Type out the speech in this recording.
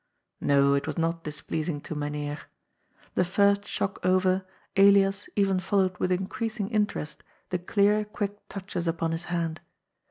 No, it was not displeasing to Mynheer. The first shock over, EUas even followed with increasing interest the clear, quick touches upon his hand.